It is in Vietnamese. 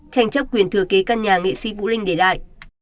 tranh chấp quyền thừa kế căn nhà nghệ sĩ vũ linh để lại